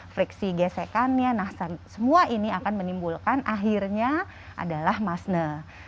friksi gesekannya nah semua ini akan menimbulkan akhirnya adalah masne